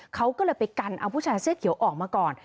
เขาก็เลยไปกันเอาผู้ชายเสื้อเขียวออกมาก่อน